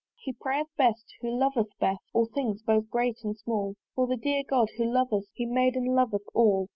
He prayeth best who loveth best, All things both great and small: For the dear God, who loveth us, He made and loveth all.